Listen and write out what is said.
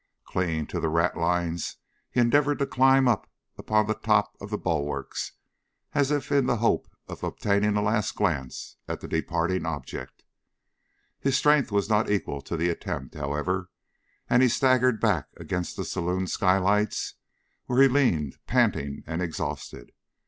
Clinging to the ratlines he endeavoured to climb up upon the top of the bulwarks as if in the hope of obtaining a last glance at the departing object. His strength was not equal to the attempt, however, and he staggered back against the saloon skylights, where he leaned panting and exhausted.